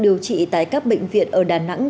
điều trị tại các bệnh viện ở đà nẵng